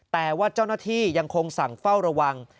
แต่ว่าเจ้าหน้าที่ยังคงสั่งเฝ้าระวัง